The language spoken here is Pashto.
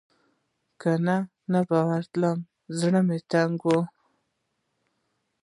که نه به ورتلم زړه تنګۍ و.